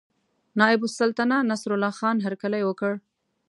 نایب السلطنته نصرالله خان هرکلی وکړ.